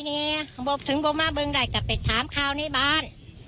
หวบถึงว่าไม่ได้ถามคราวในบ้าน